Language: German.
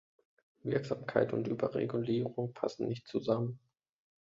Wirksamkeit und Überregulierung passen nicht zusammen.